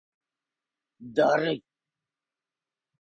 だるい